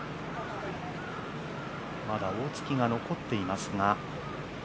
まだ大槻が残っていますが。